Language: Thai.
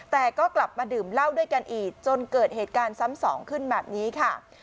แต่ก็กลับมาดื่มเหล้าด้วยกันอีกจนเกิดเหตุการณ์ซ้ำสองขึ้นแบบนี้ค่ะ